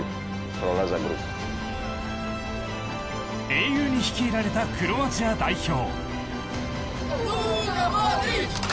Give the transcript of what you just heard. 英雄に率いられたクロアチア代表。